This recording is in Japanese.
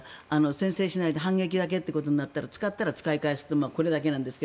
先制しないで反撃だけということになったら使ったら使え返すというこれだけなんですが。